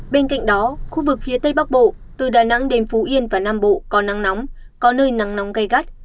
bên cạnh đó khu vực phía tây bắc bộ từ đà nẵng đến phú yên và nam bộ có nắng nóng có nơi nắng nóng gây gắt